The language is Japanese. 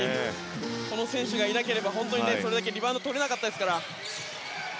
この選手がいなければそれだけリバウンドがとれなかったですから。